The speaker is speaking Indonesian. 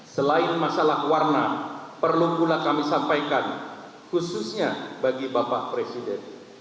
selain masalah warna perlu pula kami sampaikan khususnya bagi bapak presiden